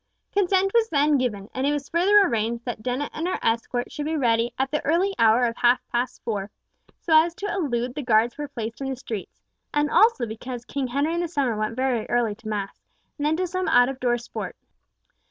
Consent then was given, and it was further arranged that Dennet and her escort should be ready at the early hour of half past four, so as to elude the guards who were placed in the streets; and also because King Henry in the summer went very early to mass, and then to some out of door sport.